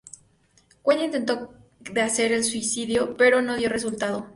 White intentó de hacer el "suicidio", pero no dio resultado.